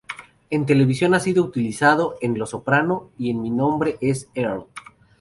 En televisión ha sido utilizado en "Los Soprano" y en "Mi nombre es Earl".